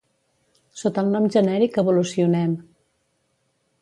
Sota el nom genèric Evolucionem.